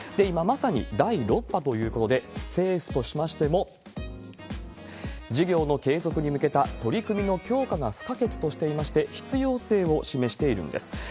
今、まさに第６波ということで、政府としましても、事業の継続に向けた取り組みの強化が不可欠としていまして、必要性を示しているんです。